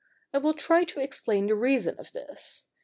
I will try to explain the reason of this.